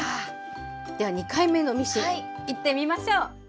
では２回目のミシンいってみましょう！